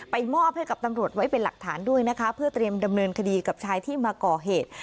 มอบให้กับตำรวจไว้เป็นหลักฐานด้วยนะคะเพื่อเตรียมดำเนินคดีกับชายที่มาก่อเหตุ